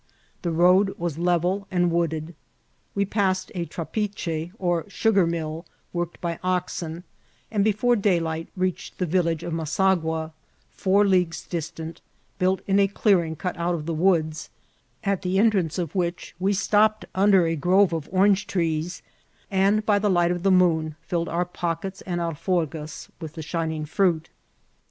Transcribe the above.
The road was level and wooded. We passed a trapiche or su gar mill, worked by oxen, and before daylight reached the village of Masagua, four leagues distant, built in a clearing cut out of the woods, at the entrance of which we stopped under a grove of cnrange trees, and by the light of the moon filled our pockets and alforgas with the shining fruit.